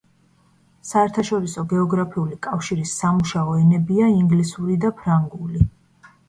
საერთაშორისო გეოგრაფიული კავშირის სამუშაო ენებია ინგლისური და ფრანგული.